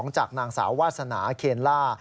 จากนางสาววาสนาเคนล่า